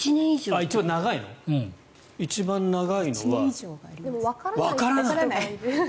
一番長いのはわからない。